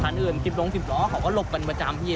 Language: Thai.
ฝั่งอื่นสิบล้องสิบล้อเขาก็ลบกันประจำพี่